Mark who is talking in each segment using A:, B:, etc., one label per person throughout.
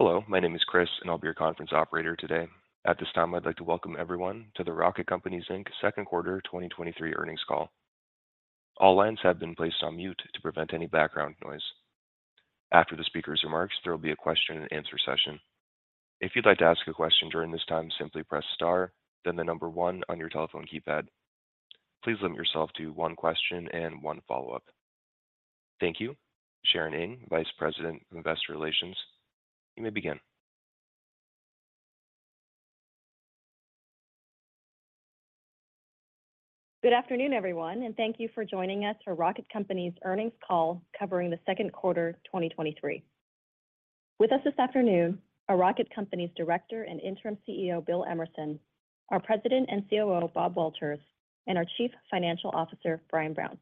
A: Hello, my name is Chris, and I'll be your conference operator today. At this time, I'd like to welcome everyone to the Rocket Companies Inc. second quarter 2023 earnings call. All lines have been placed on mute to prevent any background noise. After the speaker's remarks, there will be a question and answer session. If you'd like to ask a question during this time, simply press star, then the number 1 on your telephone keypad. Please limit yourself to one question and one follow-up. Thank you. Sharon Ng, Vice President of Investor Relations, you may begin.
B: Good afternoon, everyone, and thank you for joining us for Rocket Companies' earnings call covering the second quarter 2023. With us this afternoon are Rocket Companies Director and Interim CEO, Bill Emerson, our President and COO, Bob Walters, and our Chief Financial Officer, Brian Brown.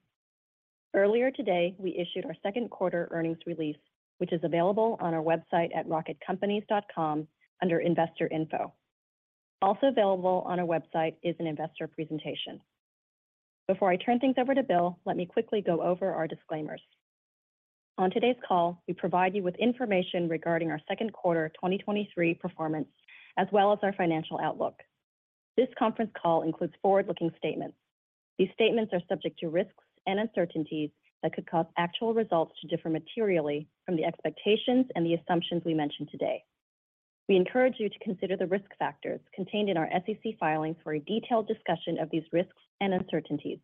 B: Earlier today, we issued our second quarter earnings release, which is available on our website at rocketcompanies.com under Investor Info. Also available on our website is an investor presentation. Before I turn things over to Bill, let me quickly go over our disclaimers. On today's call, we provide you with information regarding our second quarter 2023 performance, as well as our financial outlook. This conference call includes forward-looking statements. These statements are subject to risks and uncertainties that could cause actual results to differ materially from the expectations and the assumptions we mention today. We encourage you to consider the risk factors contained in our SEC filings for a detailed discussion of these risks and uncertainties.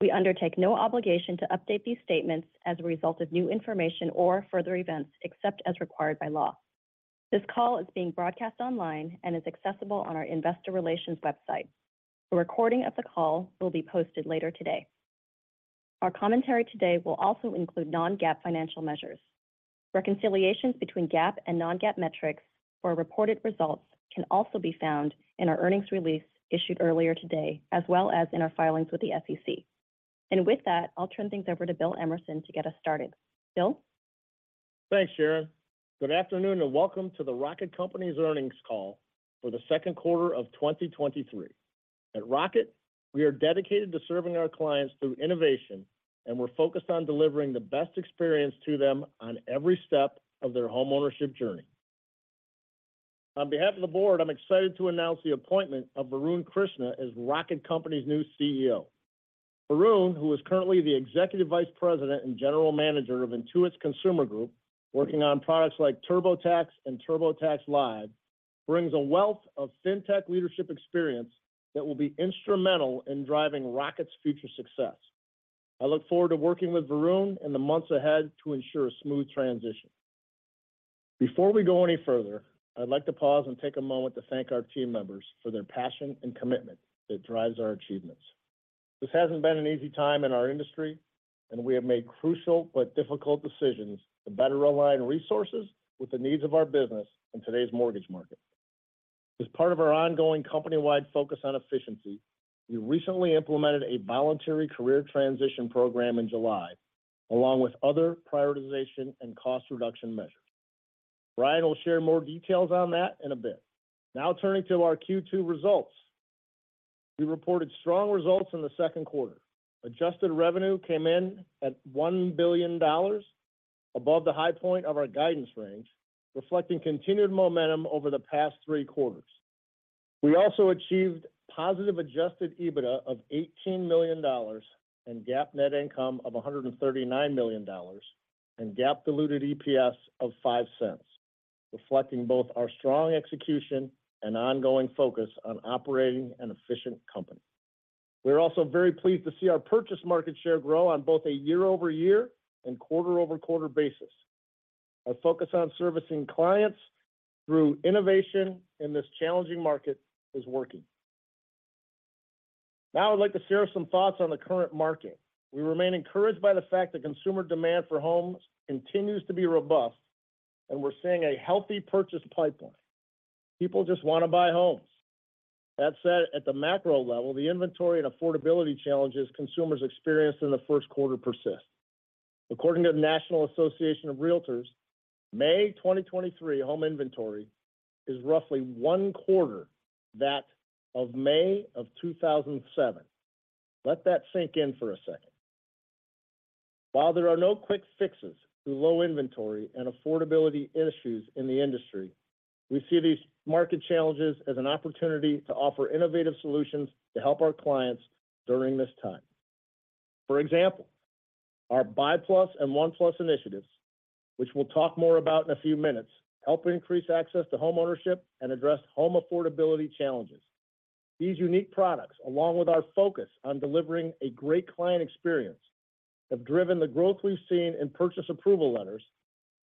B: We undertake no obligation to update these statements as a result of new information or further events, except as required by law. This call is being broadcast online and is accessible on our investor relations website. A recording of the call will be posted later today. Our commentary today will also include non-GAAP financial measures. Reconciliations between GAAP and non-GAAP metrics for reported results can also be found in our earnings release issued earlier today, as well as in our filings with the SEC. With that, I'll turn things over to Bill Emerson to get us started. Bill?
C: Thanks, Sharon. Good afternoon, welcome to the Rocket Companies earnings call for the second quarter of 2023. At Rocket, we are dedicated to serving our clients through innovation, we're focused on delivering the best experience to them on every step of their homeownership journey. On behalf of the board, I'm excited to announce the appointment of Varun Krishna as Rocket Companies' new CEO. Varun, who is currently the Executive Vice President and General Manager of Intuit's Consumer Group, working on products like TurboTax and TurboTax Live, brings a wealth of fintech leadership experience that will be instrumental in driving Rocket's future success. I look forward to working with Varun in the months ahead to ensure a smooth transition. Before we go any further, I'd like to pause and take a moment to thank our team members for their passion and commitment that drives our achievements. This hasn't been an easy time in our industry. We have made crucial but difficult decisions to better align resources with the needs of our business in today's mortgage market. As part of our ongoing company-wide focus on efficiency, we recently implemented a voluntary career transition program in July, along with other prioritization and cost reduction measures. Brian will share more details on that in a bit. Now, turning to our Q2 results. We reported strong results in the second quarter. Adjusted revenue came in at $1 billion, above the high point of our guidance range, reflecting continued momentum over the past three quarters. We also achieved positive Adjusted EBITDA of $18 million and GAAP net income of $139 million, GAAP diluted EPS of $0.05, reflecting both our strong execution and ongoing focus on operating an efficient company. We are also very pleased to see our purchase market share grow on both a year-over-year and quarter-over-quarter basis. Our focus on servicing clients through innovation in this challenging market is working. Now, I'd like to share some thoughts on the current market. We remain encouraged by the fact that consumer demand for homes continues to be robust, and we're seeing a healthy purchase pipeline. People just wanna buy homes. That said, at the macro level, the inventory and affordability challenges consumers experienced in the first quarter persist. According to the National Association of Realtors, May 2023 home inventory is roughly one quarter that of May of 2007. Let that sink in for a second. While there are no quick fixes to low inventory and affordability issues in the industry, we see these market challenges as an opportunity to offer innovative solutions to help our clients during this time. For example, our BUY+ and ONE+ initiatives, which we'll talk more about in a few minutes, help increase access to homeownership and address home affordability challenges. These unique products, along with our focus on delivering a great client experience, have driven the growth we've seen in purchase approval letters,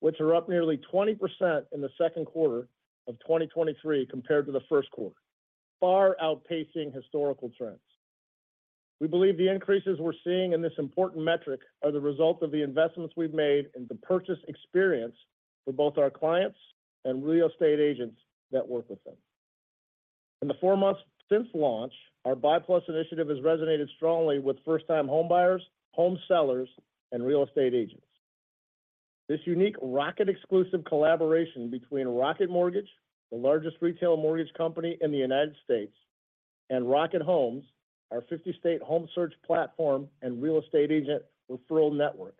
C: which are up nearly 20% in the second quarter of 2023 compared to the first quarter, far outpacing historical trends. We believe the increases we're seeing in this important metric are the result of the investments we've made in the purchase experience for both our clients and real estate agents that work with them. In the 4 months since launch, our BUY+ initiative has resonated strongly with first-time home buyers, home sellers, and real estate agents. This unique Rocket exclusive collaboration between Rocket Mortgage, the largest retail mortgage company in the United States, and Rocket Homes, our 50-state home search platform and real estate agent referral network,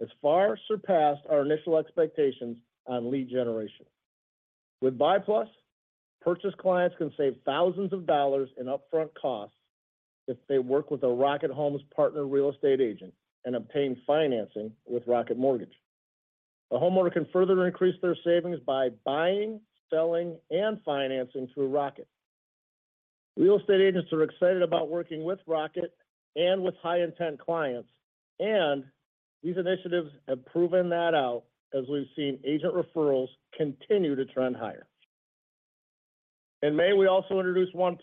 C: has far surpassed our initial expectations on lead generation. With BUY+, purchase clients can save thousands of dollars in upfront costs if they work with a Rocket Homes partner real estate agent, and obtain financing with Rocket Mortgage. A homeowner can further increase their savings by buying, selling, and financing through Rocket. Real estate agents are excited about working with Rocket and with high-intent clients, and these initiatives have proven that out as we've seen agent referrals continue to trend higher. In May, we also introduced ONE+,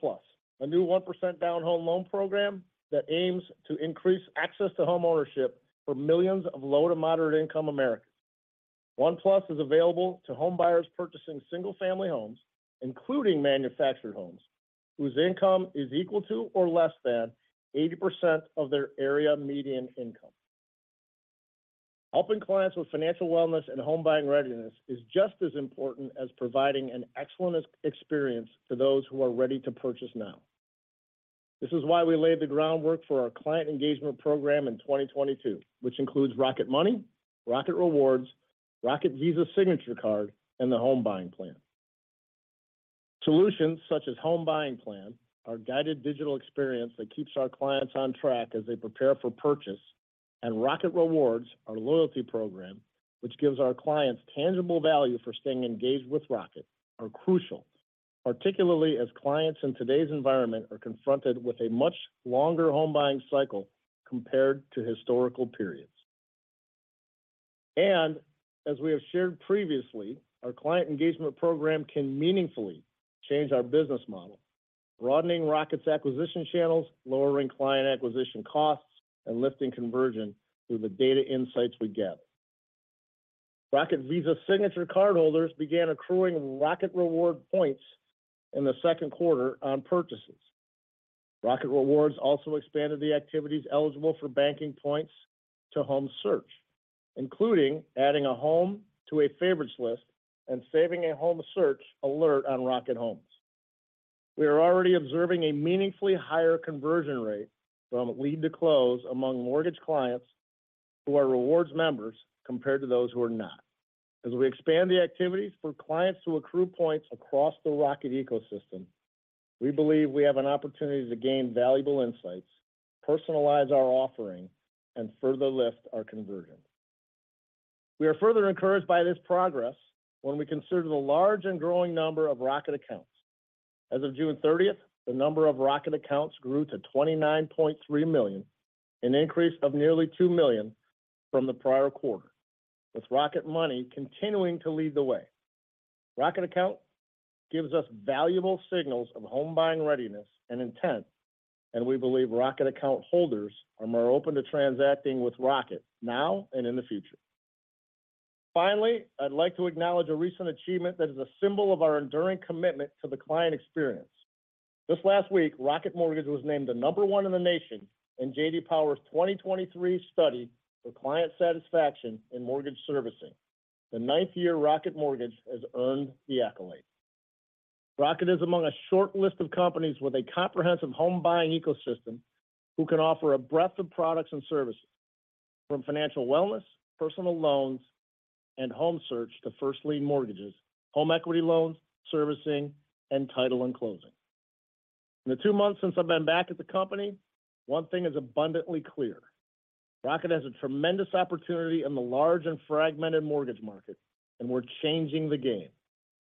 C: a new 1% down home loan program that aims to increase access to homeownership for millions of low to moderate income Americans. ONE+ is available to homebuyers purchasing single-family homes, including manufactured homes, whose income is equal to or less than 80% of their area median income. Helping clients with financial wellness and home buying readiness is just as important as providing an excellent experience to those who are ready to purchase now. This is why we laid the groundwork for our client engagement program in 2022, which includes Rocket Money, Rocket Rewards, Rocket Visa Signature Card, and the Home Buying Plan. Solutions such as Home Buying Plan, our guided digital experience that keeps our clients on track as they prepare for purchase, and Rocket Rewards, our loyalty program, which gives our clients tangible value for staying engaged with Rocket, are crucial, particularly as clients in today's environment are confronted with a much longer home buying cycle compared to historical periods. As we have shared previously, our client engagement program can meaningfully change our business model, broadening Rocket's acquisition channels, lowering client acquisition costs, and lifting conversion through the data insights we get. Rocket Visa Signature cardholders began accruing Rocket Rewards points in the second quarter on purchases. Rocket Rewards also expanded the activities eligible for banking points to home search, including adding a home to a favorites list and saving a home search alert on Rocket Homes. We are already observing a meaningfully higher conversion rate from lead to close among mortgage clients who are rewards members compared to those who are not. As we expand the activities for clients to accrue points across the Rocket ecosystem, we believe we have an opportunity to gain valuable insights, personalize our offering, and further lift our conversion. We are further encouraged by this progress when we consider the large and growing number of Rocket accounts. As of June 30th, the number of Rocket accounts grew to 29.3 million, an increase of nearly 2 million from the prior quarter, with Rocket Money continuing to lead the way. Rocket account gives us valuable signals of home buying readiness and intent, and we believe Rocket account holders are more open to transacting with Rocket now and in the future. Finally, I'd like to acknowledge a recent achievement that is a symbol of our enduring commitment to the client experience. This last week, Rocket Mortgage was named the number one in the nation in J.D. Power's 2023 study for client satisfaction in mortgage servicing, the ninth year Rocket Mortgage has earned the accolade. Rocket is among a short list of companies with a comprehensive home buying ecosystem, who can offer a breadth of products and services, from financial wellness, personal loans, and home search to first lien mortgages, home equity loans, servicing, and title and closing. In the two months since I've been back at the company, one thing is abundantly clear, Rocket has a tremendous opportunity in the large and fragmented mortgage market, and we're changing the game.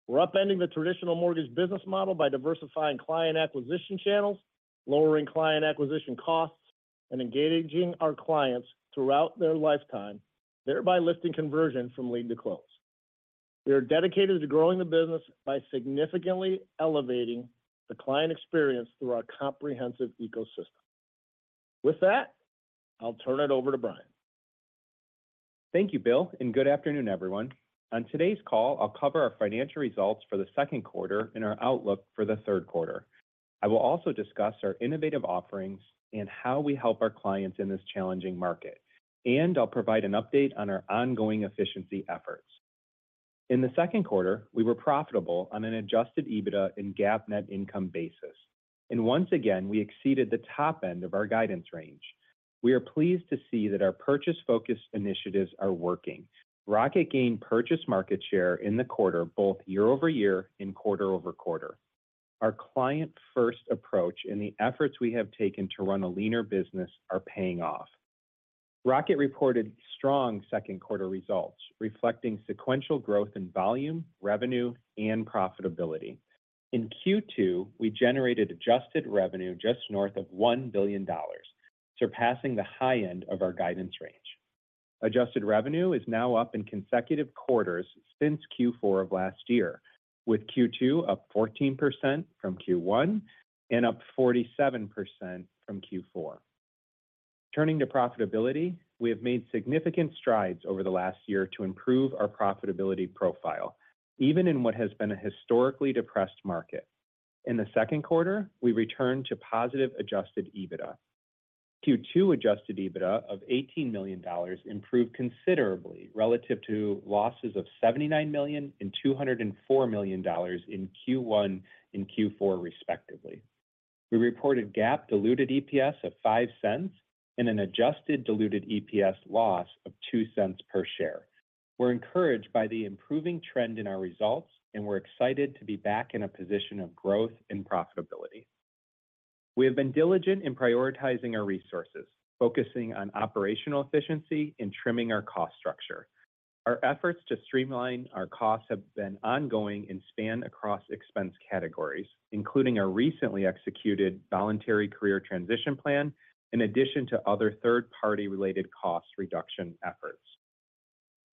C: We're upending the traditional mortgage business model by diversifying client acquisition channels, lowering client acquisition costs, and engaging our clients throughout their lifetime, thereby lifting conversion from lead to close. We are dedicated to growing the business by significantly elevating the client experience through our comprehensive ecosystem. With that, I'll turn it over to Brian.
D: Thank you, Bill, and good afternoon, everyone. On today's call, I'll cover our financial results for the second quarter and our outlook for the third quarter. I will also discuss our innovative offerings and how we help our clients in this challenging market. I'll provide an update on our ongoing efficiency efforts. In the second quarter, we were profitable on an Adjusted EBITDA and GAAP net income basis, and once again, we exceeded the top end of our guidance range. We are pleased to see that our purchase-focused initiatives are working. Rocket gained purchase market share in the quarter, both year-over-year and quarter-over-quarter. Our client-first approach and the efforts we have taken to run a leaner business are paying off. Rocket reported strong second quarter results, reflecting sequential growth in volume, revenue, and profitability. In Q2, we generated Adjusted revenue just north of $1 billion, surpassing the high end of our guidance range. Adjusted revenue is now up in consecutive quarters since Q4 of last year, with Q2 up 14% from Q1 and up 47% from Q4. Turning to profitability, we have made significant strides over the last year to improve our profitability profile, even in what has been a historically depressed market. In the second quarter, we returned to positive Adjusted EBITDA. Q2 Adjusted EBITDA of $18 million improved considerably relative to losses of $79 million and $204 million in Q1 and Q4, respectively. We reported GAAP diluted EPS of $0.05 and an adjusted diluted EPS loss of $0.02 per share. We're encouraged by the improving trend in our results, and we're excited to be back in a position of growth and profitability. We have been diligent in prioritizing our resources, focusing on operational efficiency and trimming our cost structure. Our efforts to streamline our costs have been ongoing and span across expense categories, including our recently executed voluntary career transition plan, in addition to other third-party related cost reduction efforts.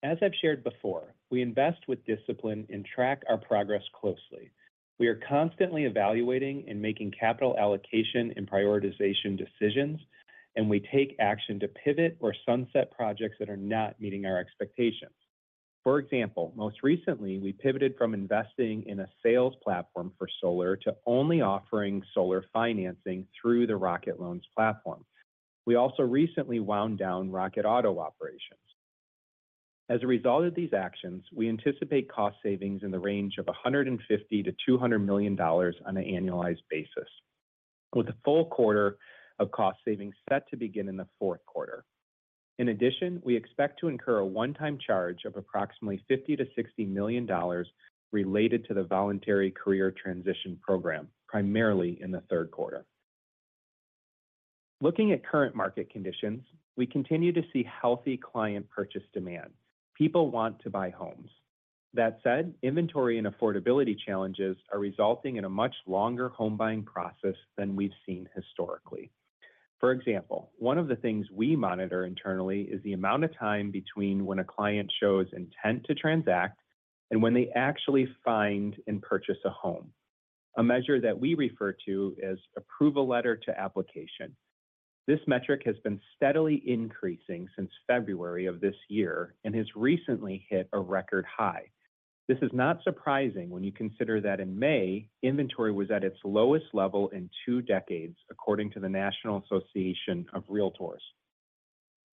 D: As I've shared before, we invest with discipline and track our progress closely. We are constantly evaluating and making capital allocation and prioritization decisions, and we take action to pivot or sunset projects that are not meeting our expectations. For example, most recently, we pivoted from investing in a sales platform for solar to only offering solar financing through the Rocket Loans platform. We also recently wound down Rocket Auto operations. As a result of these actions, we anticipate cost savings in the range of $150 million-$200 million on an annualized basis, with a full quarter of cost savings set to begin in the fourth quarter. In addition, we expect to incur a one-time charge of approximately $50 million-$60 million related to the voluntary career transition program, primarily in the third quarter. Looking at current market conditions, we continue to see healthy client purchase demand. People want to buy homes. That said, inventory and affordability challenges are resulting in a much longer home buying process than we've seen historically. For example, one of the things we monitor internally is the amount of time between when a client shows intent to transact and when they actually find and purchase a home, a measure that we refer to as approval letter to application. This metric has been steadily increasing since February of this year and has recently hit a record high. This is not surprising when you consider that in May, inventory was at its lowest level in two decades, according to the National Association of Realtors.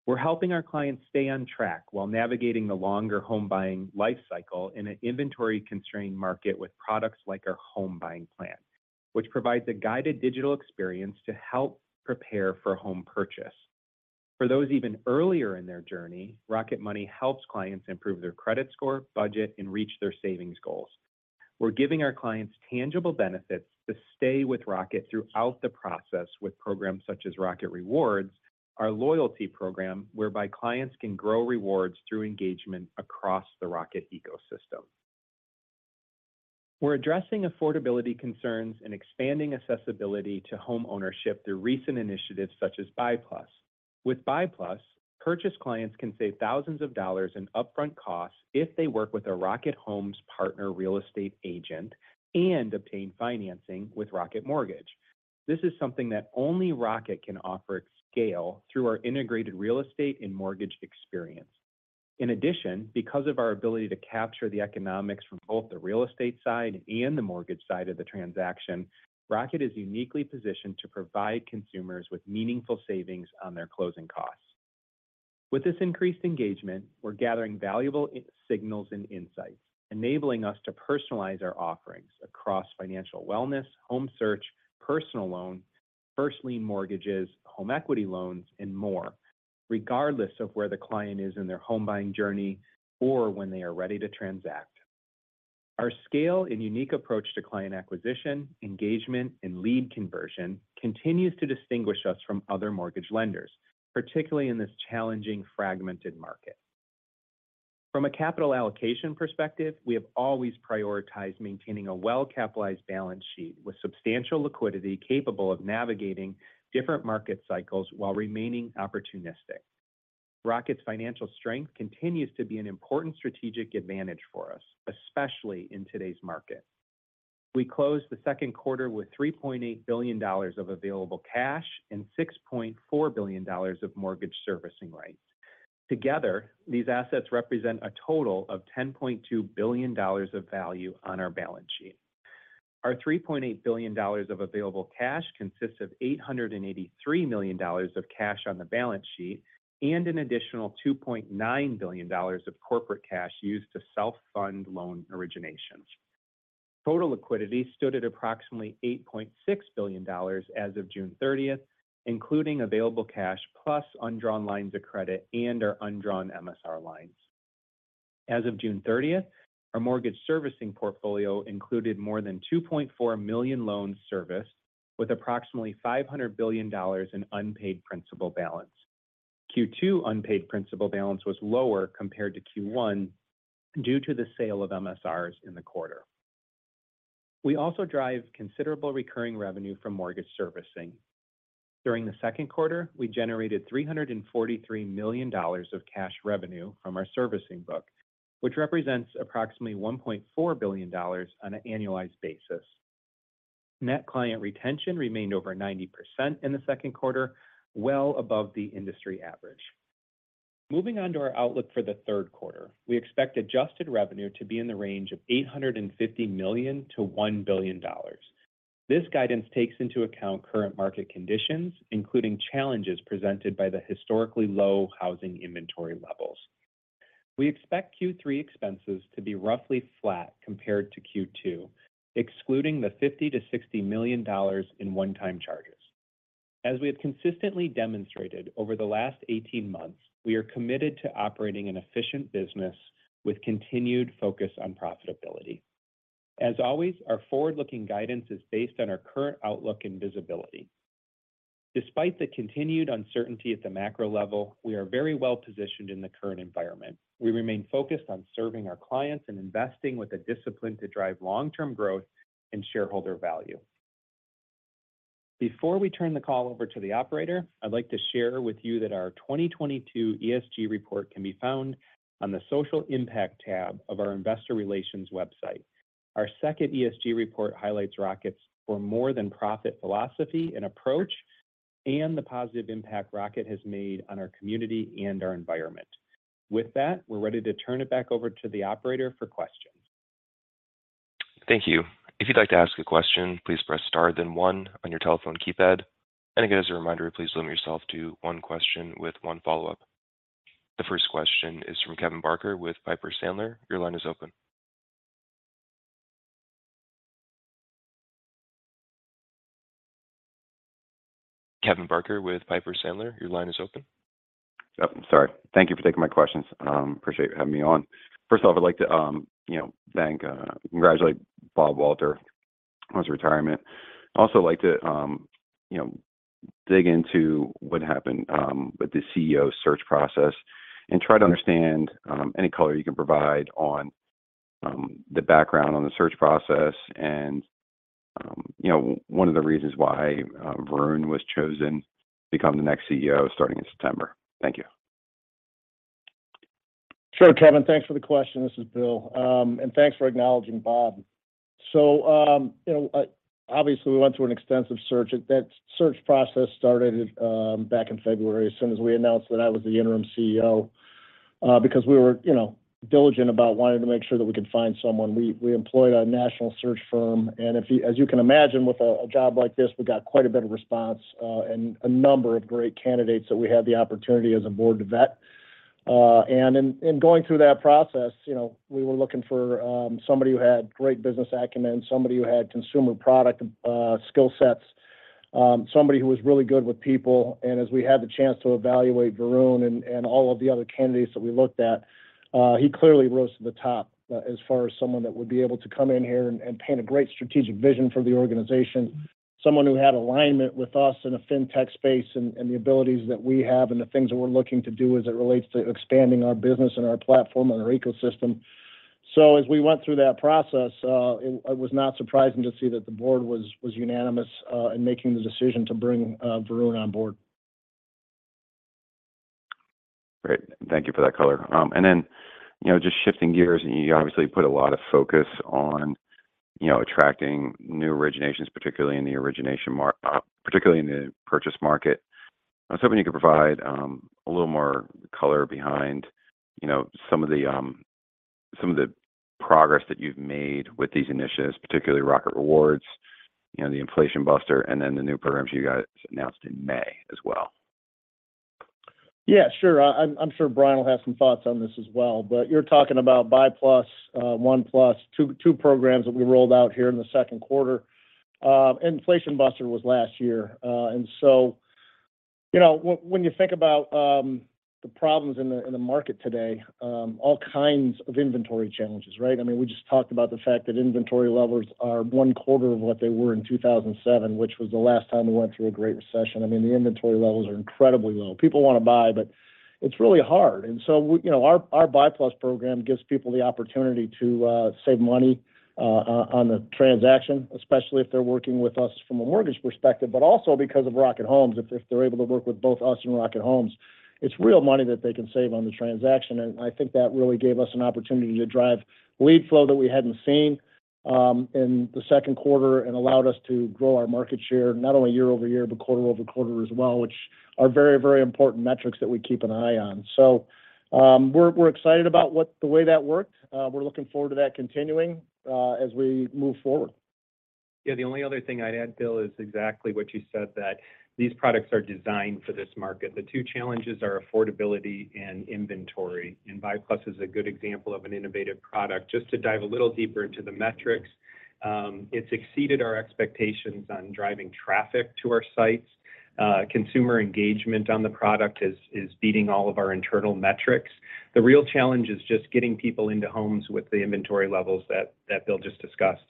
D: We're helping our clients stay on track while navigating the longer home buying life cycle in an inventory-constrained market with products like our Home Buying Plan, which provides a guided digital experience to help prepare for a home purchase. For those even earlier in their journey, Rocket Money helps clients improve their credit score, budget, and reach their savings goals. We're giving our clients tangible benefits to stay with Rocket throughout the process with programs such as Rocket Rewards, our loyalty program, whereby clients can grow rewards through engagement across the Rocket ecosystem. We're addressing affordability concerns and expanding accessibility to homeownership through recent initiatives such as BUY+. With BUY+, purchase clients can save thousands of dollars in upfront costs if they work with a Rocket Homes partner real estate agent and obtain financing with Rocket Mortgage. This is something that only Rocket can offer at scale through our integrated real estate and mortgage experience. Because of our ability to capture the economics from both the real estate side and the mortgage side of the transaction, Rocket is uniquely positioned to provide consumers with meaningful savings on their closing costs. With this increased engagement, we're gathering valuable signals and insights, enabling us to personalize our offerings across financial wellness, home search, personal loan, first lien mortgages, home equity loans, and more, regardless of where the client is in their home buying journey or when they are ready to transact. Our scale and unique approach to client acquisition, engagement, and lead conversion continues to distinguish us from other mortgage lenders, particularly in this challenging, fragmented market. From a capital allocation perspective, we have always prioritized maintaining a well-capitalized balance sheet with substantial liquidity, capable of navigating different market cycles while remaining opportunistic. Rocket's financial strength continues to be an important strategic advantage for us, especially in today's market. We closed the second quarter with $3.8 billion of available cash and $6.4 billion of mortgage servicing rights. Together, these assets represent a total of $10.2 billion of value on our balance sheet. Our $3.8 billion of available cash consists of $883 million of cash on the balance sheet and an additional $2.9 billion of corporate cash used to self-fund loan originations. Total liquidity stood at approximately $8.6 billion as of June 30th, including available cash plus undrawn lines of credit and our undrawn MSR lines. As of June 30th, our mortgage servicing portfolio included more than 2.4 million loans serviced, with approximately $500 billion in unpaid principal balance. Q2 unpaid principal balance was lower compared to Q1 due to the sale of MSRs in the quarter. We also drive considerable recurring revenue from mortgage servicing. During the second quarter, we generated $343 million of cash revenue from our servicing book, which represents approximately $1.4 billion on an annualized basis. Net client retention remained over 90% in the second quarter, well above the industry average. Moving on to our outlook for the third quarter. We expect adjusted revenue to be in the range of $850 million-$1 billion. This guidance takes into account current market conditions, including challenges presented by the historically low housing inventory levels. We expect Q3 expenses to be roughly flat compared to Q2, excluding the $50 million-$60 million in one-time charges. As we have consistently demonstrated over the last 18 months, we are committed to operating an efficient business with continued focus on profitability. As always, our forward-looking guidance is based on our current outlook and visibility. Despite the continued uncertainty at the macro level, we are very well-positioned in the current environment. We remain focused on serving our clients and investing with the discipline to drive long-term growth and shareholder value. Before we turn the call over to the operator, I'd like to share with you that our 2022 ESG report can be found on the Social Impact tab of our investor relations website. Our second ESG report highlights Rocket's For More Than Profit philosophy and approach, and the positive impact Rocket has made on our community and our environment. With that, we're ready to turn it back over to the operator for questions.
A: Thank you. If you'd like to ask a question, please press Star, then One on your telephone keypad. Again, as a reminder, please limit yourself to one question with one follow-up. The first question is from Kevin Barker with Piper Sandler. Your line is open. Kevin Barker with Piper Sandler, your line is open.
E: Oh, sorry. Thank you for taking my questions. Appreciate you having me on. First off, I'd like to, you know, thank, congratulate Bob Walters on his retirement. I also like to, you know, dig into what happened with the CEO search process, and try to understand any color you can provide on the background on the search process, and, you know, one of the reasons why Varun was chosen to become the next CEO starting in September. Thank you.
C: Sure, Kevin Barker. Thanks for the question. This is Bill Emerson. Thanks for acknowledging Bob Walters. You know, obviously, we went through an extensive search, and that search process started back in February, as soon as we announced that I was the Interim CEO, because we were, you know, diligent about wanting to make sure that we could find someone. We, we employed a national search firm, as you can imagine, with a, a job like this, we got quite a bit of response, and a number of great candidates that we had the opportunity as a board to vet. In going through that process, you know, we were looking for somebody who had great business acumen, somebody who had consumer product skill sets, somebody who was really good with people. As we had the chance to evaluate Varun and all of the other candidates that we looked at, he clearly rose to the top as far as someone that would be able to come in here and paint a great strategic vision for the organization. Someone who had alignment with us in a fintech space and the abilities that we have and the things that we're looking to do as it relates to expanding our business and our platform and our ecosystem. As we went through that process, it was not surprising to see that the board was unanimous in making the decision to bring Varun on board.
E: Great. Thank you for that color. You know, just shifting gears, you obviously put a lot of focus on, you know, attracting new originations, particularly in the purchase market. I was hoping you could provide a little more color behind, you know, some of the, some of the progress that you've made with these initiatives, particularly Rocket Rewards, you know, the Inflation Buster, and then the new programs you guys announced in May as well.
C: Yeah, sure. I, I'm sure Brian will have some thoughts on this as well. You're talking about BUY+, ONE+, 2, 2 programs that we rolled out here in the second quarter. Inflation Buster was last year. You know, when you think about the problems in the market today, all kinds of inventory challenges, right? I mean, we just talked about the fact that inventory levels are 1 quarter of what they were in 2007, which was the last time we went through a great recession. I mean, the inventory levels are incredibly low. People want to buy, but it's really hard. So, we, you know, our, our BUY+ program gives people the opportunity to save money on the transaction, especially if they're working with us from a mortgage perspective, but also because of Rocket Homes. If, if they're able to work with both us and Rocket Homes, it's real money that they can save on the transaction. I think that really gave us an opportunity to drive lead flow that we hadn't seen in the second quarter, and allowed us to grow our market share, not only year-over-year, but quarter-over-quarter as well, which are very, very important metrics that we keep an eye on. We're, we're excited about what- the way that worked. We're looking forward to that continuing as we move forward.
D: Yeah, the only other thing I'd add, Bill, is exactly what you said, that these products are designed for this market. The two challenges are affordability and inventory. BUY+ is a good example of an innovative product. Just to dive a little deeper into the metrics, it's exceeded our expectations on driving traffic to our sites. Consumer engagement on the product is beating all of our internal metrics. The real challenge is just getting people into homes with the inventory levels that Bill just discussed.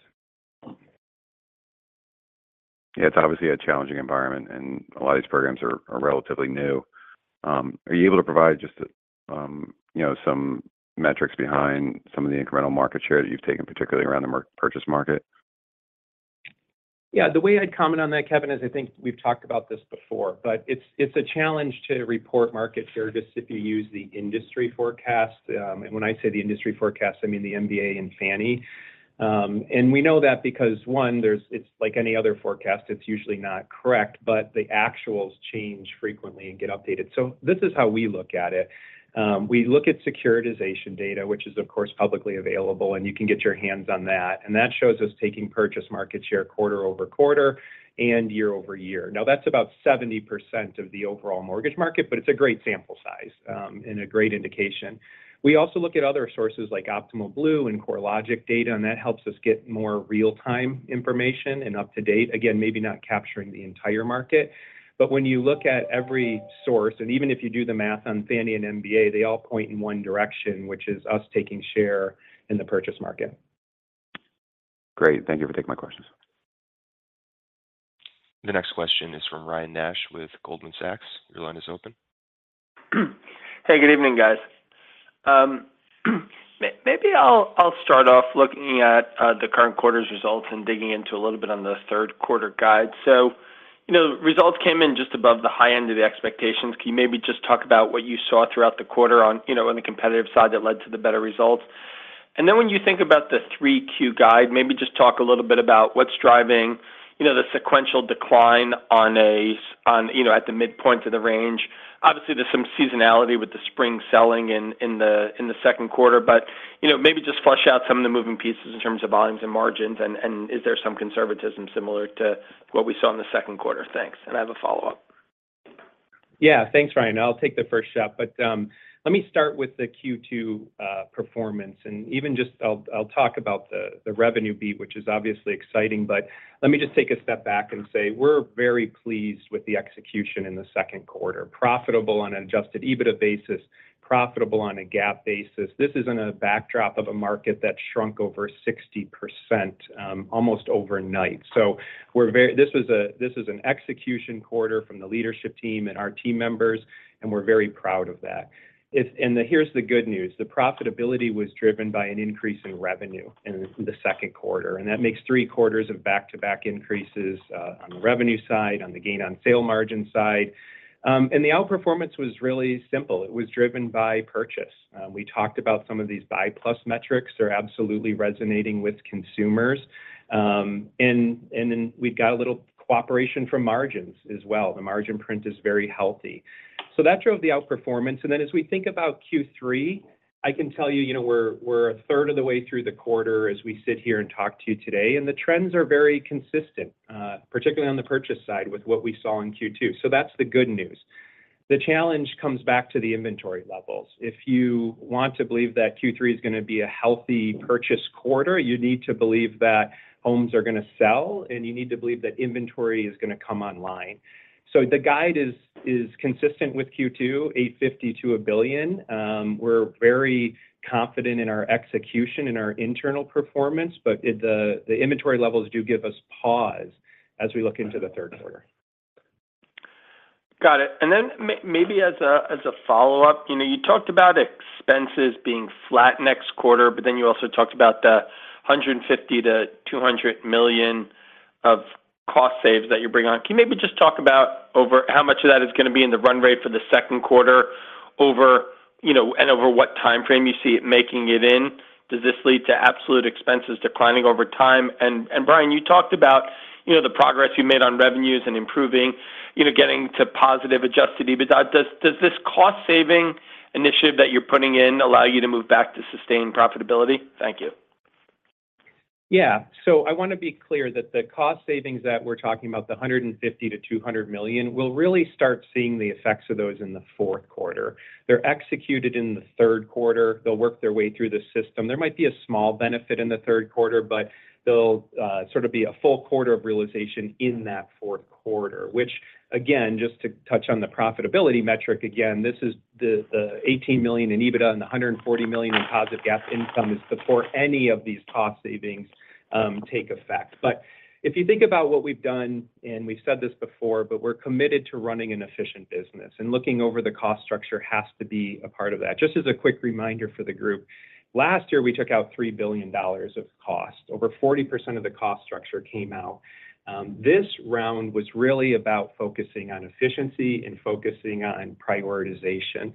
E: Yeah, it's obviously a challenging environment, a lot of these programs are, are relatively new. Are you able to provide just, you know, some metrics behind some of the incremental market share that you've taken, particularly around the purchase market?
D: Yeah, the way I'd comment on that, Kevin, is I think we've talked about this before, but it's a challenge to report market share just if you use the industry forecast. And when I say the industry forecast, I mean the MBA and Fannie. And we know that because, one, there's, it's like any other forecast, it's usually not correct, but the actuals change frequently and get updated. This is how we look at it. We look at securitization data, which is, of course, publicly available, and you can get your hands on that. That shows us taking purchase market share quarter-over-quarter and year-over-year. That's about 70% of the overall mortgage market, but it's a great sample size and a great indication. We also look at other sources like Optimal Blue and CoreLogic data, and that helps us get more real-time information and up to date. Again, maybe not capturing the entire market, but when you look at every source, and even if you do the math on Fannie and MBA, they all point in one direction, which is us taking share in the purchase market.
E: Great. Thank you for taking my questions.
A: The next question is from Ryan Nash with Goldman Sachs. Your line is open.
F: Hey, good evening, guys. Maybe I'll, I'll start off looking at the current quarter's results and digging into a little bit on the third quarter guide. You know, the results came in just above the high end of the expectations. Can you maybe just talk about what you saw throughout the quarter on, you know, on the competitive side that led to the better results? Then when you think about the 3Q guide, maybe just talk a little bit about what's driving, you know, the sequential decline on a on, you know, at the midpoint of the range. Obviously, there's some seasonality with the spring selling in, in the, in the second quarter, but, you know, maybe just flush out some of the moving pieces in terms of volumes and margins and, and is there some conservatism similar to what we saw in the second quarter? Thanks. I have a follow-up.
D: Yeah. Thanks, Ryan. I'll take the first shot, but let me start with the Q2 performance, and even just I'll, I'll talk about the, the revenue beat, which is obviously exciting. Let me just take a step back and say: we're very pleased with the execution in the second quarter. Profitable on an Adjusted EBITDA basis, profitable on a GAAP basis. This is in a backdrop of a market that shrunk over 60%, almost overnight. We're this is an execution quarter from the leadership team and our team members, and we're very proud of that. Here's the good news: the profitability was driven by an increase in revenue in the second quarter, and that makes 3 quarters of back-to-back increases on the revenue side, on the Gain on Sale Margin side. The outperformance was really simple. It was driven by purchase. We talked about some of these BUY+ metrics are absolutely resonating with consumers. And then we've got a little cooperation from margins as well. The margin print is very healthy. That drove the outperformance. Then, as we think about Q3, I can tell you, you know, we're, we're a third of the way through the quarter as we sit here and talk to you today, and the trends are very consistent, particularly on the purchase side, with what we saw in Q2. That's the good news. The challenge comes back to the inventory levels. If you want to believe that Q3 is going to be a healthy purchase quarter, you need to believe that homes are going to sell, and you need to believe that inventory is going to come online. The guide is, is consistent with Q2, $850 million-$1 billion. We're very confident in our execution and our internal performance, but the, the, the inventory levels do give us pause as we look into the third quarter.
F: Got it. Then maybe as a, as a follow-up, you know, you talked about expenses being flat next quarter, then you also talked about the $150 million-$200 million of cost saves that you bring on. Can you maybe just talk about over how much of that is going to be in the run rate for the second quarter over, you know, and over what time frame you see it making it in? Does this lead to absolute expenses declining over time? Brian, you talked about, you know, the progress you made on revenues and improving, you know, getting to positive adjusted EBITDA. Does this cost-saving initiative that you're putting in allow you to move back to sustained profitability? Thank you.
D: Yeah. I want to be clear that the cost savings that we're talking about, the $150 million-$200 million, we'll really start seeing the effects of those in the fourth quarter. They're executed in the third quarter. They'll work their way through the system. There might be a small benefit in the third quarter, but they'll, sort of be a full quarter of realization in that fourth quarter, which, again, just to touch on the profitability metric again, this is the, the $18 million in EBITDA and the $140 million in positive GAAP income is before any of these cost savings, take effect. If you think about what we've done, and we've said this before, but we're committed to running an efficient business, and looking over the cost structure has to be a part of that. Just as a quick reminder for the group, last year, we took out $3 billion of cost. Over 40% of the cost structure came out. This round was really about focusing on efficiency and focusing on prioritization.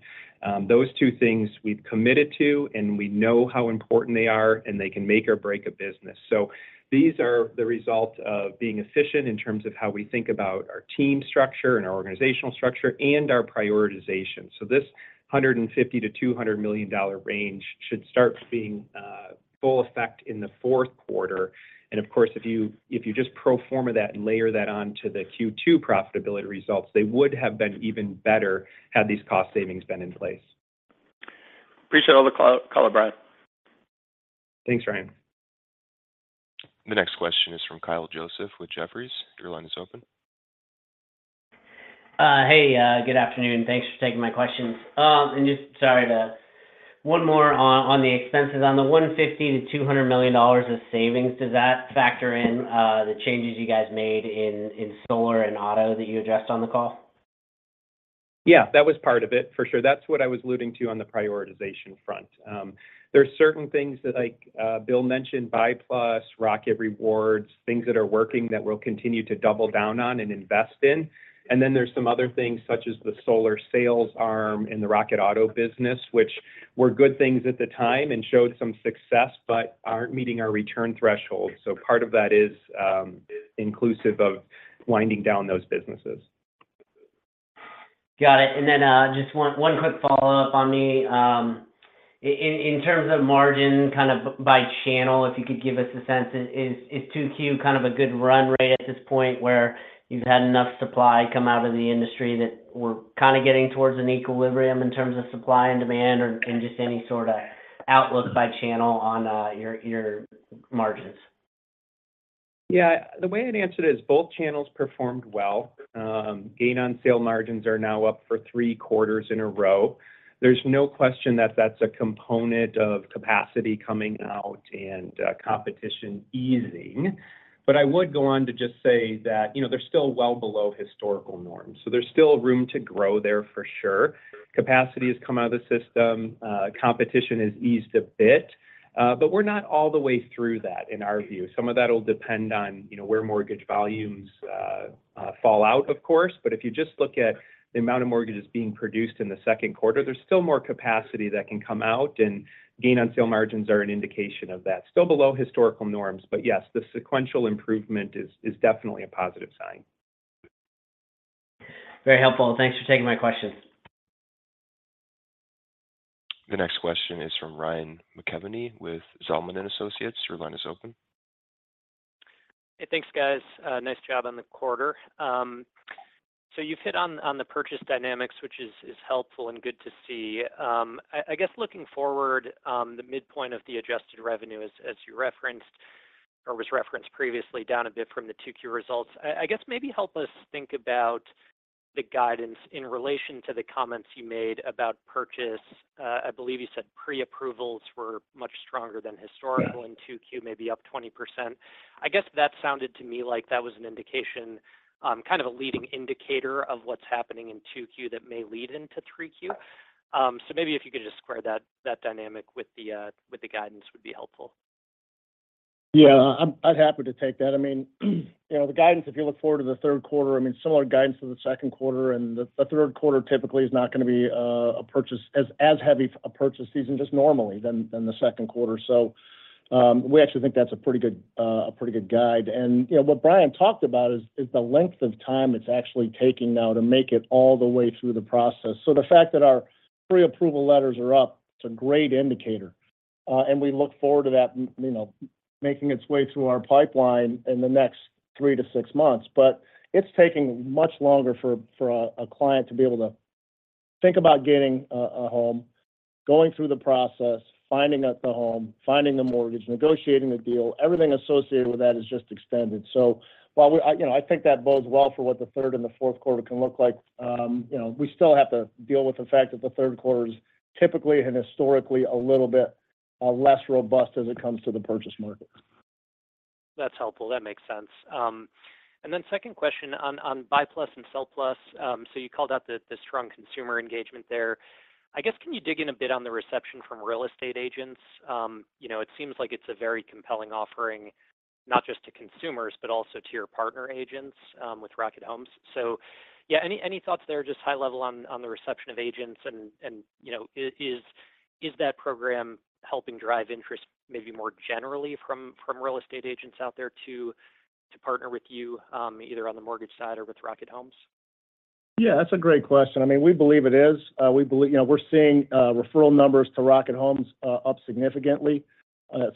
D: Those two things we've committed to, and we know how important they are, and they can make or break a business. These are the result of being efficient in terms of how we think about our team structure and our organizational structure and our prioritization. This $150 million-$200 million range should start being full effect in the fourth quarter. Of course, if you, if you just pro forma that and layer that on to the Q2 profitability results, they would have been even better had these cost savings been in place.
F: Appreciate all the color, Brian.
D: Thanks, Ryan.
A: The next question is from Kyle Joseph with Jefferies. Your line is open.
G: Hey, good afternoon. Thanks for taking my questions. Just sorry, the one more on, on the expenses. On the $150 million-$200 million of savings, does that factor in the changes you guys made in, in solar and auto that you addressed on the call?
D: Yeah, that was part of it, for sure. That's what I was alluding to on the prioritization front. There are certain things that, like, Bill mentioned, BUY+, Rocket Rewards, things that are working that we'll continue to double down on and invest in. Then there's some other things, such as the solar sales arm and the Rocket Auto business, which were good things at the time and showed some success, but aren't meeting our return threshold. Part of that is inclusive of winding down those businesses.
G: Got it. Then, just one quick follow-up on the, in terms of margin, kind of by channel, if you could give us a sense. Is 2Q kind of a good run rate at this point, where you've had enough supply come out of the industry that we're kind of getting towards an equilibrium in terms of supply and demand? Or, just any sort of outlook by channel on your margins?
D: Yeah. The way I'd answer it is both channels performed well. Gain on sale margins are now up for 3 quarters in a row. There's no question that that's a component of capacity coming out and competition easing. I would go on to just say that, you know, they're still well below historical norms, so there's still room to grow there for sure. Capacity has come out of the system, competition has eased a bit, we're not all the way through that, in our view. Some of that will depend on, you know, where mortgage volumes fall out, of course. If you just look at the amount of mortgages being produced in the second quarter, there's still more capacity that can come out, and gain on sale margins are an indication of that. Still below historical norms. Yes, the sequential improvement is definitely a positive sign.
G: Very helpful. Thanks for taking my question.
A: The next question is from Ryan McKeveny with Zelman & Associates. Your line is open.
H: Hey, thanks, guys. Nice job on the quarter. You've hit on, on the purchase dynamics, which is, is helpful and good to see. I, I guess looking forward, the midpoint of the adjusted revenue as, as you referenced, or was referenced previously, down a bit from the 2Q results. I, I guess maybe help us think about the guidance in relation to the comments you made about purchase. I believe you said pre-approvals were much stronger than historical.
D: Yeah
H: In 2Q, maybe up 20%. I guess that sounded to me like that was an indication, kind of a leading indicator of what's happening in 2Q that may lead into 3Q. Maybe if you could just square that, that dynamic with the, with the guidance would be helpful.
C: Yeah, I'd happy to take that. I mean, you know, the guidance, if you look forward to the third quarter, I mean, similar guidance to the second quarter, the third quarter typically is not going to be a purchase as heavy a purchase season just normally than the second quarter. we actually think that's a pretty good guide. you know, what Brian talked about is the length of time it's actually taking now to make it all the way through the process. the fact that our pre-approval letters are up, it's a great indicator, and we look forward to that, you know, making its way through our pipeline in the next 3-6 months. It's taking much longer for a client to be able to think about getting a home, going through the process, finding out the home, finding the mortgage, negotiating the deal. Everything associated with that is just extended. While I, you know, I think that bodes well for what the third and the fourth quarter can look like, you know, we still have to deal with the fact that the third quarter is typically and historically a little bit less robust as it comes to the purchase market.
H: That's helpful. That makes sense. Then second question on, on BUY+ and SELL+. You called out the, the strong consumer engagement there. I guess, can you dig in a bit on the reception from real estate agents? You know, it seems like it's a very compelling offering, not just to consumers, but also to your partner agents, with Rocket Homes. Yeah, any, any thoughts there, just high level on, on the reception of agents and, and, you know, is that program helping drive interest, maybe more generally from, from real estate agents out there to, to partner with you, either on the mortgage side or with Rocket Homes?
C: Yeah, that's a great question. I mean, we believe it is. We believe, you know, we're seeing referral numbers to Rocket Homes up significantly. You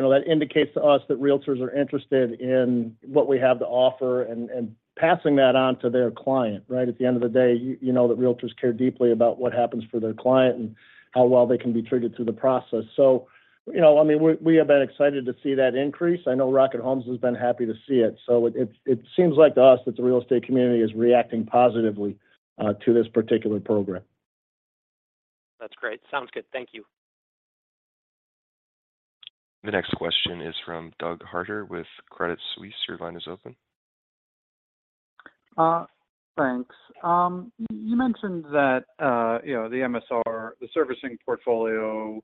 C: know, that indicates to us that realtors are interested in what we have to offer and passing that on to their client, right? At the end of the day, you know, that realtors care deeply about what happens for their client and how well they can be triggered through the process. So, you know, I mean, we have been excited to see that increase. I know Rocket Homes has been happy to see it. So it seems like to us that the real estate community is reacting positively to this particular program.
H: That's great. Sounds good. Thank you.
A: The next question is from Doug Harter with Credit Suisse. Your line is open.
I: Thanks. You mentioned that, you know, the MSR, the servicing portfolio,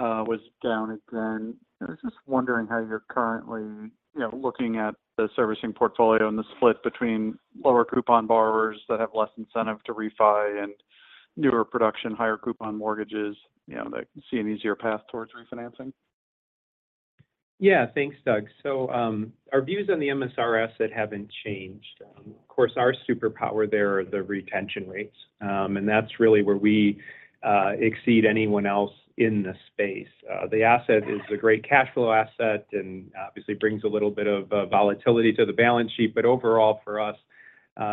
I: was down again. I was just wondering how you're currently, you know, looking at the servicing portfolio and the split between lower coupon borrowers that have less incentive to refi and newer production, higher coupon mortgages, you know, that can see an easier path towards refinancing?
D: Yeah. Thanks, Doug. Our views on the MSRs haven't changed. Of course, our superpower there are the retention rates, that's really where we exceed anyone else in the space. The asset is a great cash flow asset and obviously brings a little bit of volatility to the balance sheet, but overall for us,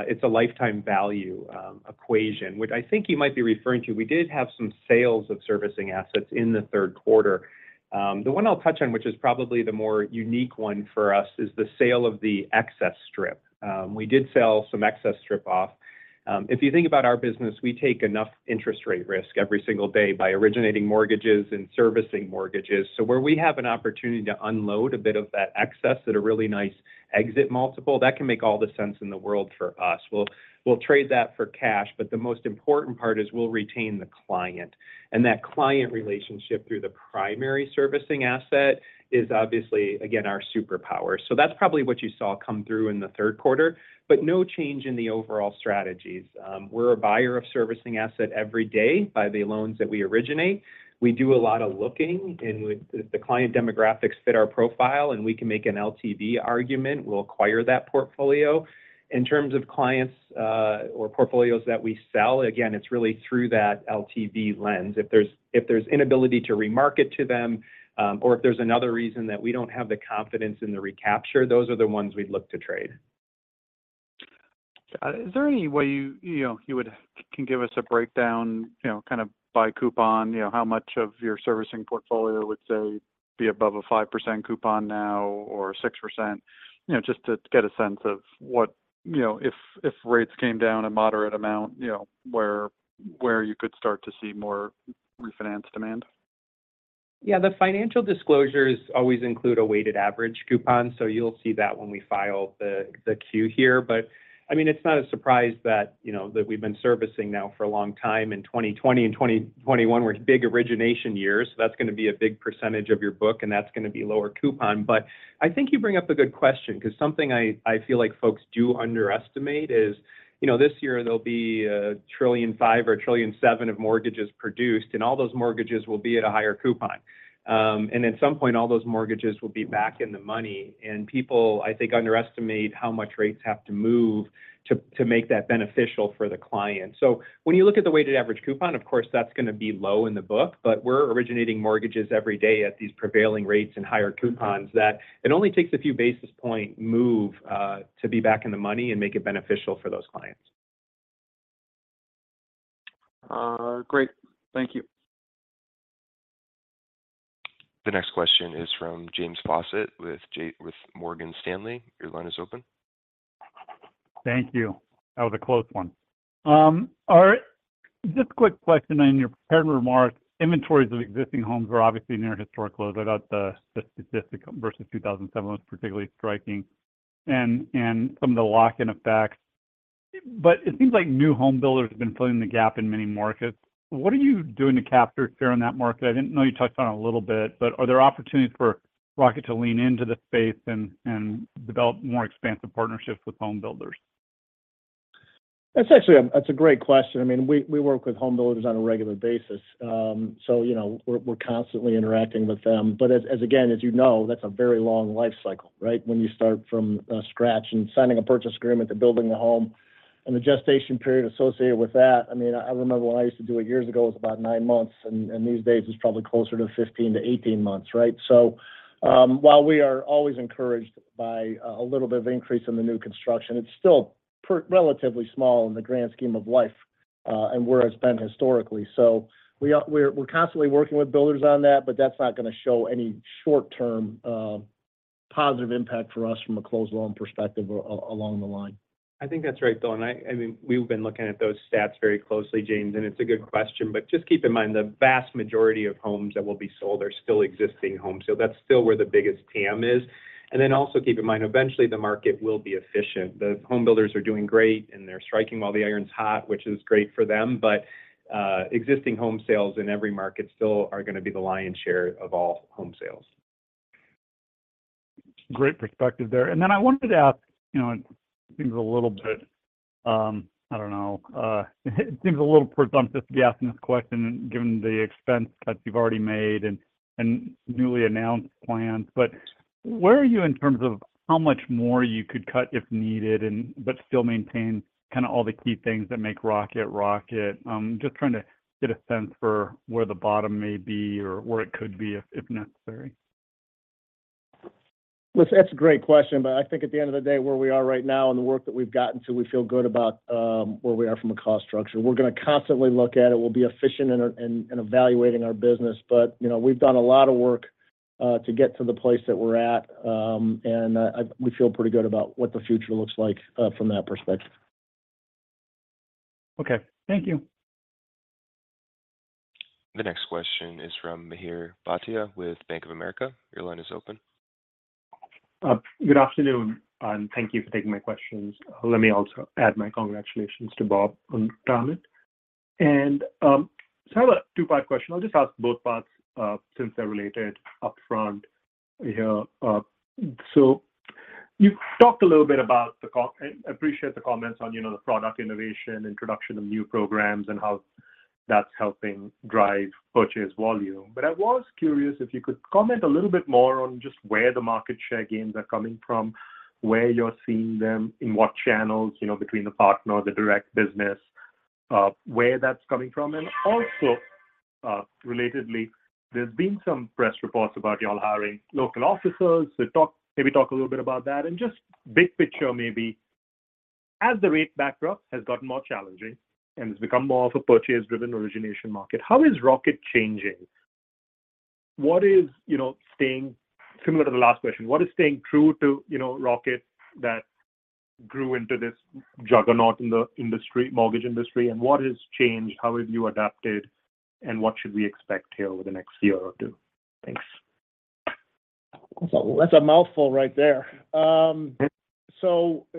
D: it's a lifetime value equation, which I think you might be referring to. We did have some sales of servicing assets in the third quarter. The one I'll touch on, which is probably the more unique one for us, is the sale of the excess strip. We did sell some excess strip off. If you think about our business, we take enough interest rate risk every single day by originating mortgages and servicing mortgages. Where we have an opportunity to unload a bit of that excess at a really nice exit multiple, that can make all the sense in the world for us. We'll trade that for cash, but the most important part is we'll retain the client, and that client relationship through the primary servicing asset is obviously, again, our superpower. That's probably what you saw come through in the third quarter, but no change in the overall strategies. We're a buyer of servicing asset every day by the loans that we originate. We do a lot of looking, and when the client demographics fit our profile and we can make an LTV argument, we'll acquire that portfolio. In terms of clients, or portfolios that we sell, again, it's really through that LTV lens. If there's, if there's inability to remarket to them, or if there's another reason that we don't have the confidence in the recapture, those are the ones we'd look to trade.
I: Yeah, is there any way you, you know, can give us a breakdown, you know, kind of by coupon, you know, how much of your servicing portfolio would, say, be above a 5% coupon now or 6%? You know, just to get a sense of what, you know, if, if rates came down a moderate amount, you know, where, where you could start to see more refinance demand.
D: Yeah, the financial disclosures always include a weighted average coupon. You'll see that when we file the Q here. I mean, it's not a surprise that, you know, that we've been servicing now for a long time. In 2020 and 2021 were big origination years. That's going to be a big percentage of your book, and that's going to be lower coupon. I think you bring up a good question 'cause something I, I feel like folks do underestimate is, you know, this year there'll be $1.5 trillion or $1.7 trillion of mortgages produced, and all those mortgages will be at a higher coupon. At some point, all those mortgages will be back in the money, and people, I think, underestimate how much rates have to move to, to make that beneficial for the client. When you look at the weighted average coupon, of course, that's going to be low in the book, but we're originating mortgages every day at these prevailing rates and higher coupons, that it only takes a few basis point move to be back in the money and make it beneficial for those clients.
I: Great. Thank you.
A: The next question is from James Faucette with Morgan Stanley. Your line is open.
J: Thank you. That was a close one. All right. Just a quick question on your prepared remarks. Inventories of existing homes are obviously near historic lows. I thought the statistic versus 2007 was particularly striking and some of the lock-in effects. It seems like new home builders have been filling the gap in many markets. What are you doing to capture share in that market? I didn't know you touched on it a little bit, but are there opportunities for Rocket to lean into this space and develop more expansive partnerships with home builders?
C: That's actually a great question. I mean, we, we work with home builders on a regular basis. You know, we're, we're constantly interacting with them. As, as again, as you know, that's a very long life cycle, right? When you start from scratch and signing a purchase agreement to building a home, and the gestation period associated with that, I mean, I remember when I used to do it years ago, it was about nine months. And these days, it's probably closer to 15-18 months, right? While we are always encouraged by, a little bit of increase in the new construction, it's still relatively small in the grand scheme of life, and where it's been historically. We're constantly working with builders on that, but that's not going to show any short-term positive impact for us from a closed loan perspective along the line.
D: I think that's right, Dylan. I mean, we've been looking at those stats very closely, James. It's a good question. Just keep in mind, the vast majority of homes that will be sold are still existing homes, so that's still where the biggest TAM is. Then also keep in mind, eventually the market will be efficient. The home builders are doing great, and they're striking while the iron is hot, which is great for them, but existing home sales in every market still are going to be the lion's share of all home sales.
J: Great perspective there. Then I wanted to ask, you know, it seems a little bit, I don't know, it seems a little presumptuous to be asking this question, given the expense cuts you've already made and, and newly announced plans. Where are you in terms of how much more you could cut if needed but still maintain kind of all the key things that make Rocket, Rocket? Just trying to get a sense for where the bottom may be or where it could be if necessary.
C: Listen, that's a great question, but I think at the end of the day, where we are right now and the work that we've gotten to, we feel good about where we are from a cost structure. We're going to constantly look at it. We'll be efficient in, in, in evaluating our business, but, you know, we've done a lot of work to get to the place that we're at. We feel pretty good about what the future looks like from that perspective.
J: Okay. Thank you.
A: The next question is from Mihir Bhatia with Bank of America. Your line is open.
K: Good afternoon, thank you for taking my questions. Let me also add my congratulations to Bob on retirement. I have a two-part question. I'll just ask both parts since they're related upfront here. You talked a little bit about and appreciate the comments on, you know, the product innovation, introduction of new programs, and how that's helping drive purchase volume. I was curious if you could comment a little bit more on just where the market share gains are coming from, where you're seeing them, in what channels, you know, between the partner or the direct business, where that's coming from. Relatedly, there's been some press reports about you all hiring local officers. Maybe talk a little bit about that. Just big picture, maybe, as the rate backdrop has gotten more challenging and it's become more of a purchase-driven origination market, how is Rocket changing? What is, you know, staying similar to the last question, what is staying true to, you know, Rocket that grew into this juggernaut in the industry, mortgage industry, and what has changed? How have you adapted, and what should we expect here over the next year or two? Thanks.
C: That's a, that's a mouthful right there.
K: Yeah.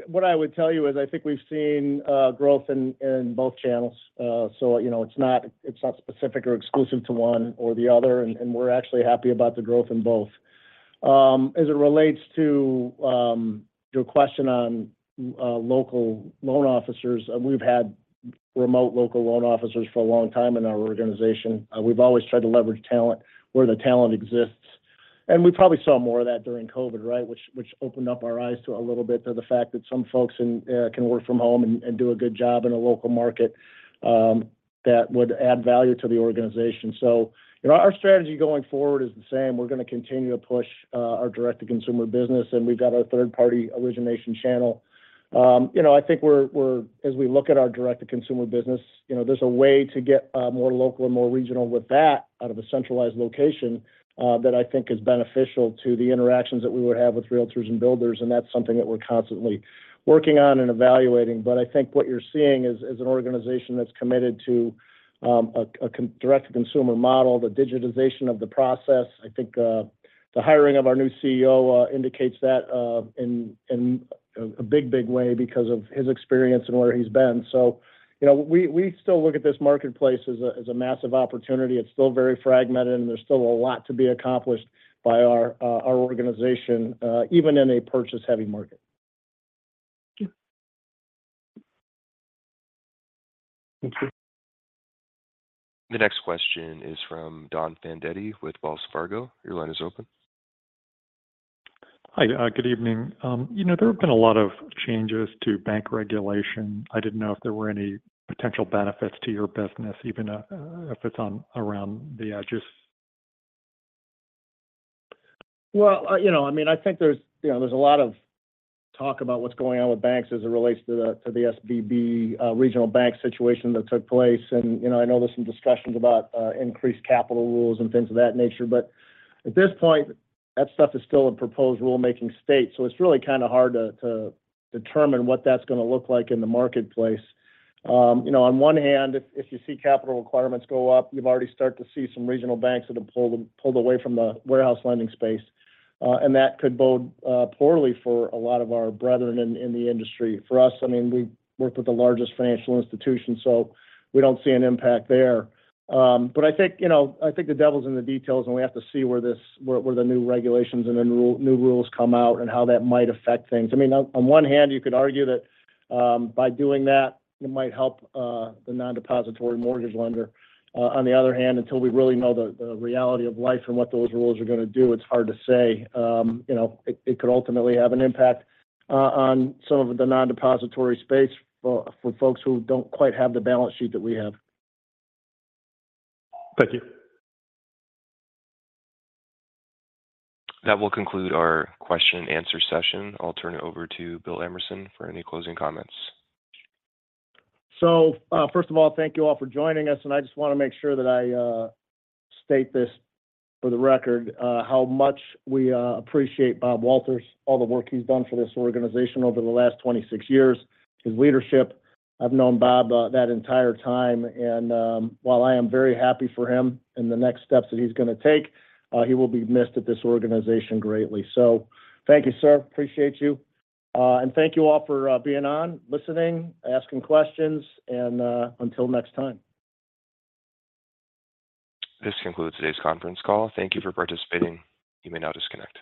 C: What I would tell you is I think we've seen growth in, in both channels. You know, it's not, it's not specific or exclusive to one or the other, and, and we're actually happy about the growth in both. As it relates to your question on local loan officers, we've had remote local loan officers for a long time in our organization. We've always tried to leverage talent where the talent exists, and we probably saw more of that during COVID, right? Which, which opened up our eyes to a little bit to the fact that some folks in can work from home and, and do a good job in a local market. That would add value to the organization. You know, our strategy going forward is the same. We're going to continue to push our direct-to-consumer business, and we've got our third-party origination channel. You know, I think we're as we look at our direct-to-consumer business, you know, there's a way to get more local and more regional with that out of a centralized location that I think is beneficial to the interactions that we would have with realtors and builders. That's something that we're constantly working on and evaluating. I think what you're seeing is, is an organization that's committed to a direct-to-consumer model, the digitization of the process. I think the hiring of our new CEO indicates that in a big, big way because of his experience and where he's been. You know, we, we still look at this marketplace as a, as a massive opportunity. It's still very fragmented. There's still a lot to be accomplished by our, our organization, even in a purchase-heavy market.
K: Thank you.
A: The next question is from Don Fandetti with Wells Fargo. Your line is open.
L: Hi, good evening. You know, there have been a lot of changes to bank regulation. I didn't know if there were any potential benefits to your business, even if it's on around the just-
C: Well, you know, I mean, I think there's, you know, there's a lot of talk about what's going on with banks as it relates to the, to the SVB regional bank situation that took place. You know, I know there's some discussions about increased capital rules and things of that nature, but at this point, that stuff is still a proposed rulemaking state. It's really kind of hard to, to determine what that's going to look like in the marketplace. You know, on one hand, if, if you see capital requirements go up, you've already start to see some regional banks that have pulled, pulled away from the warehouse lending space. That could bode poorly for a lot of our brethren in, in the industry. For us, I mean, we've worked with the largest financial institution, so we don't see an impact there. I think, you know, I think the devil is in the details, and we have to see where, where the new regulations and the new, new rules come out and how that might affect things. I mean, on, on one hand, you could argue that, by doing that, it might help the non-depository mortgage lender. On the other hand, until we really know the, the reality of life and what those rules are going to do, it's hard to say. You know, it, it could ultimately have an impact on some of the non-depository space for, for folks who don't quite have the balance sheet that we have.
L: Thank you.
A: That will conclude our question and answer session. I'll turn it over to Bill Emerson for any closing comments.
C: First of all, thank you all for joining us, and I just want to make sure that I state this for the record, how much we appreciate Bob Walters, all the work he's done for this organization over the last 26 years, his leadership. I've known Bob that entire time, and while I am very happy for him and the next steps that he's going to take, he will be missed at this organization greatly. Thank you, sir. Appreciate you. Thank you all for being on, listening, asking questions, and until next time.
A: This concludes today's conference call. Thank you for participating. You may now disconnect.